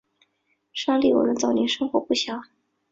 沙利文的早年生活不详。